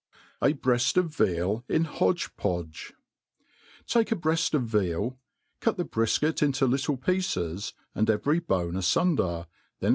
A Breaft of Veal in Hodge podge* TAKE a breafl: of veal, cut the brifkit into little piccca, and every bone afunder, then.